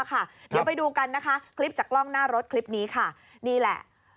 เดี๋ยวไปดูกันคลิปจากงานหน้ารถคลิปนี้ค่ะ